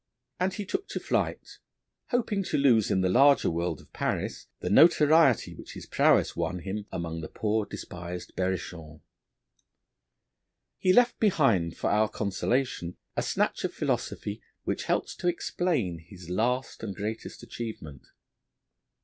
And he took to flight, hoping to lose in the larger world of Paris the notoriety which his prowess won him among the poor despised Berrichons. He left behind for our consolation a snatch of philosophy which helps to explain his last and greatest achievement.